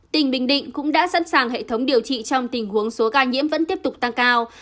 tỉnh bình định cũng đã sẵn sàng hệ thống điều trị trong tình huống số ca nhiễm vẫn tiếp tục tăng cao